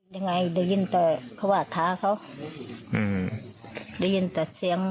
ยังไงเดี๋ยวยินแต่เขาวาดท้าเขาอืมเดี๋ยวยินแต่เสียง